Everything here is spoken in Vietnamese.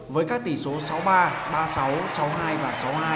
với các tỷ số sáu ba ba sáu sáu hai và sáu hai